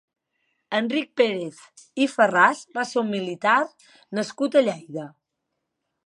Enric Pérez i Farràs va ser un militar nascut a Lleida.